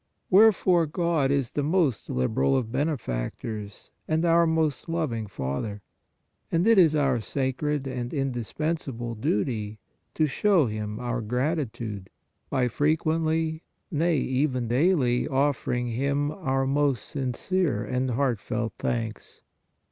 Wherefore, God is the most liberal of benefactors and our most loving Father, and it is our sacred and indispensable duty to show Him our gratitude by frequently, nay, even daily, offering Him our most sincere and heartfelt thanks.